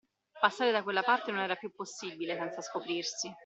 Passare da quella parte non era più possibile, senza scoprirsi.